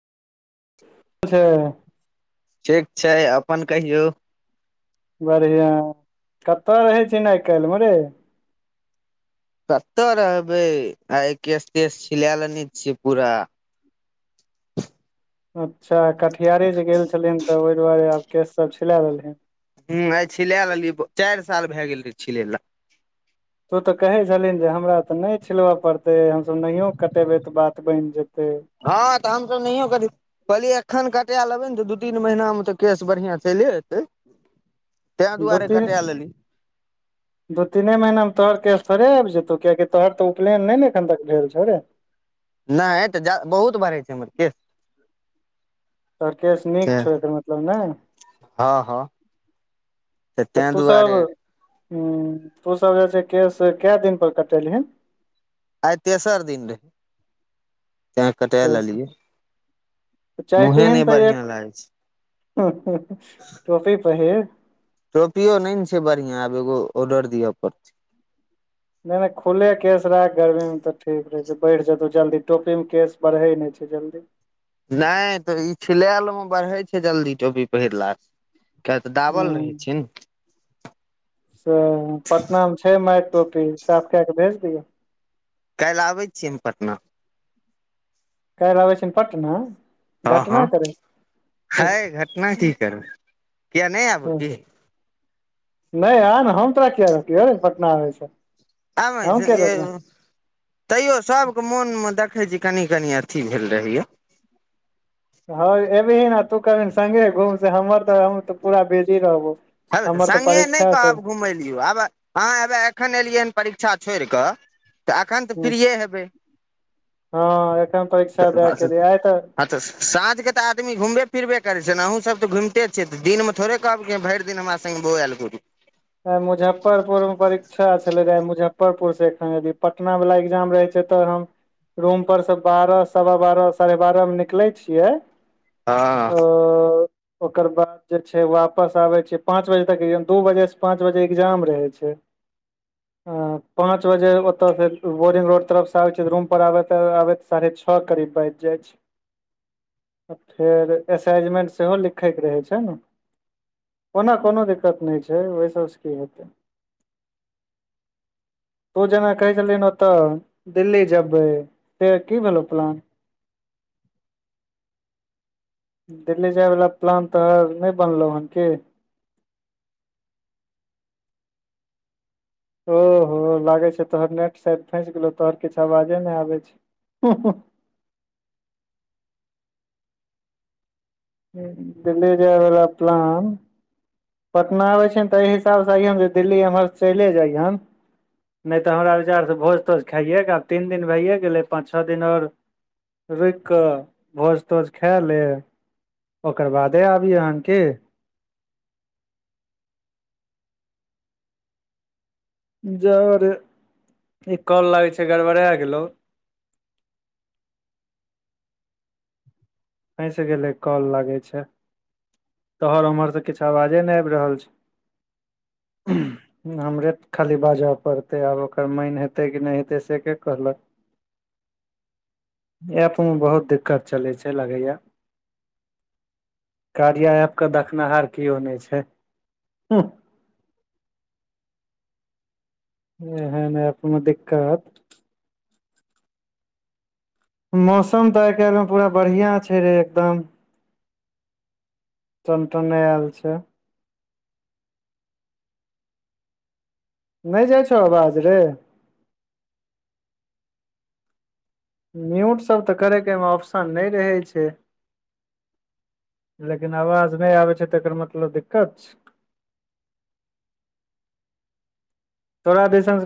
[unintelligible] ठीक छै अपन कहियौ। बड़िआँ कतऽ रहै छी न आइ काइल में रे। कत्ते रहबै आय केश तेश छिलै लेने छियै पूरा। अच्छा कटियारी जे गेल छलहिन तऽ ओइ दुआरे आब केस सभ छिला लेल हिन हु आ छिला लेलियै चाइर साल भै गेल रहे छिलै ला। तू तऽ कहे छलही जे हमरा तऽ नै छिलब पड़ते हम सभ नहियो कटेबै तऽ बात बैन जेतै। हऽ तऽ हम सब नाहियो कट। कहलियै एखन कटै लेबै न दू तीन महिना तऽ केश बड़िया चैले एतै। [inaudible] तै दुआरे तीन करै लेली दू तीने महीना में तोहर कैश थोड़े आइब जेतौ किएकि तोहर तऽ उपलेन नै न एखन तक भेल छौ रे नै तऽ जा बहुत बड़है छै हमर केश। तोहर केस नीक छौ एकर मतलब नै। हऽ हऽ तऽ तूसभ हु तूसभ जे छै केश कै दिन पर कटेलहिन आइ तेसर दिन रहे। तै कटा केश लेलियै [inaudible] मुँहे चाहतिहीन नै तऽ बड़ियाँ एक लागै छै। [unintelligible] टोपी पहिर। टोपीयो नै न छै बढ़िया आब एगो ऑर्डर दिअ पड़तै नै-नै खुल्ले केश राख गर्मी मे तऽ ठीक रहै छै बैढ़ि जेतौ जल्दी टोपीमे केश बढ़ैय नै छै जल्दी। नाय तऽ ई छिलाल मे बढ़ै छै जल्दी टोपी पहिरलास। किया तऽ दाबल रहै छै ने। सएह पटना मे छै मारि टोपी साफ कऽ कऽ भेज दियौ काल्हि आबै छियै हम पटना काल्हि आबै छि हम पटना हँ हँ घटना करै है घटना की करबै किया नै आबू की नै आ नऽ हम तोरा किया रोकियौ रे पटना आब सँ छै [unintelligible] तैयो सबके मोनमे देखै छी कनि-कनि अथी भेल रहैया। हँ एबही न तू कबीहीन संगे घुम से हमर तऽ हम पूरा बिजी रहबौ। हैबैह तऽ सङ्गे नै कहब घुमेलियौ आब अहाँ हेब एखन एलियै हन परीक्षा छोड़ कऽ। तऽ एखन तऽ फ्रियए हेबै हँ एखन परीक्षा त दए आ के स एलियै आइ हँ तऽ साँझ के तऽ आदमी घूमबे फिरबे करै छी छै न अहूँ सब तऽ घुमिते छियै दिन मे थोड़े कहब भरि। दिन हमरा संगे बौएल घुरू आइ मुजफ्फरपुर मे परीक्षा छलै रहे मुजफ्फरपुर से एखन एलिये पटना वला एग्जाम रहै छ से तऽ हम रुम पर सँ बारह सवा बारह साढे बारह मे निकलै छियै हँ ओऽ ओकर बाद जे छै वापस आबै छीयै पाँच बजे तक दू बजे सँ पाँच बजे इग्जाम रहै छै अ पाँच बजे ओतय बोरिंग रोड तरफ स आबै छियै तऽ रूम पर आबैत आबैत साढ़े छ करीब बजि जाइ छै फेर असाइजमेंट सेहो लिखैके रहै छै ने ओना कोनो दिक्कत नै छै ओई सबसँ की हेतै तू जेना कहै छल्हि ओतऽ दिल्ली जेबै फेर की भेलौ प्लान दिल्ली जायवला प्लान तोहर नै बनलौ हन की ओहो लागै छै तोहर नेट सायद फँसि गेलौ तोहर किछु आवाजे नै आबै छै दिल्ली जाइवला प्लान पटना आबै छियैन तैऽ हिसाब तै हिसाबसँ अईहन जे दिल्ली एम्हर चैले जाईहन नै तऽ हमरा विचारसँ भोज तोज खाइएके आब तीन दिन भैए गेलै पाँच छ दिन आओर रुक कऽ भोज तोज खा लेब ओकर बादे आबिहन कि जौरे ई काॅल लागै छै गड़बड़ा गेलोउ फैंस गेलय काॅल लागै छै तोहर उम्हर सँ किछु आवाजे नै आबि रहल छौ हमरे खाली बाजऽ पड़तै आब ओकर मैन हेतै कि नै हेतै से के कहलक एपमे बहुत दिक्कत चलै छै लगैया कार्या एप के देखनिहार केओ नै छै हु एहेन एप मे दिक्कत मौसम तऽ आइ काल्हि मे पूरा बढ़िआँ छै रे एकदम टनटनायल छै नै जाइ छौ आवाज रे म्यूट सब तऽ करै के अईमे ऑप्शन नै रहै छै लेकिन आवाज नै आबै छै तेकरऽ मतलब दिक्कत छै तोरा दिशन स